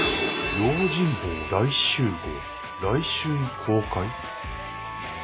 「『用心棒大集合』来春公開」？